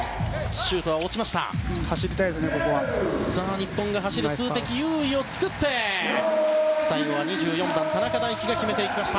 日本が数的優位を作って最後は２４番の田中大貴が決めていきました。